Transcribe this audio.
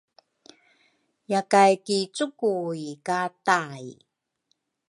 yakay ki cukuy ka tai